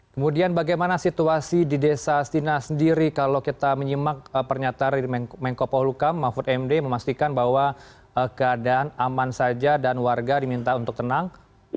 kemudian bagaimana situasi di desa sina sendiri kalau kita menyimak pernyataan dari menko polhukam mahfud md memastikan bahwa keadaan aman saja dan warga diminta untuk tenang